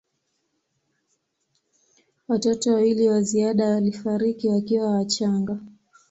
Watoto wawili wa ziada walifariki wakiwa wachanga.